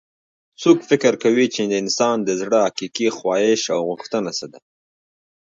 څوک فکر کوي چې د انسان د زړه حقیقي خواهش او غوښتنه څه ده